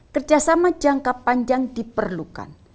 kerjasama jangka panjang diperlukan